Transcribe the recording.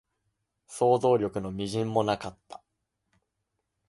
想像力の微塵もなかった